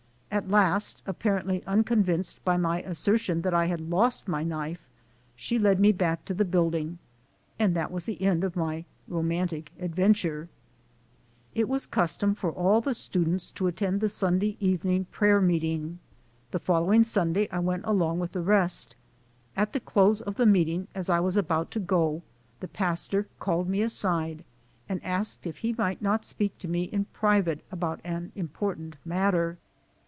At last, apparently unconvinced by my assertion that I had lost my knife, she led me back to the building, and that was the end of my romantic adventure ! It was the custom for all the students to attend the Sunday evening prayer meeting. The following Sunday I went along with the rest. At the close of the meeting as I was about to go the pastor called me aside and asked if he might not speak to me in private about an important matter.